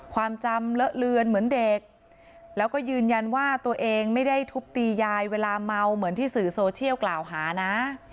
ความจำเลอะเลือนเหมือนเด็กแล้วก็ยืนยันว่าตัวเองไม่ได้ทุบตียายเวลาเมาเหมือนที่สื่อโซเชียลกล่าวหานะ